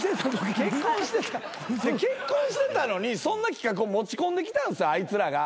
結婚してたのにそんな企画を持ち込んできたんすあいつらが。